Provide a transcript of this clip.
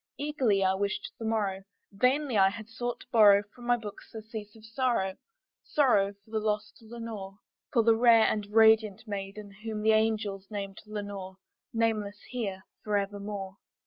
Eagerly I wished the morrow; vainly I had sought to borrow From my books surcease of sorrow sorrow for the lost Lenore, For the rare and radiant maiden whom the angels name Lenore, Nameless here forevermore.